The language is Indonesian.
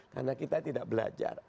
karena kita tidak belajar